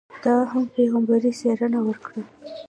ده هم پیغمبري څپېړه ورکړه.